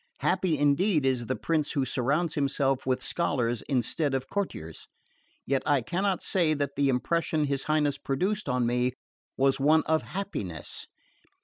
Happy indeed is the prince who surrounds himself with scholars instead of courtiers! Yet I cannot say that the impression his Highness produced on me was one of HAPPINESS.